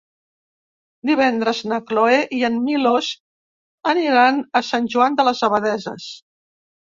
Divendres na Cloè i en Milos aniran a Sant Joan de les Abadesses.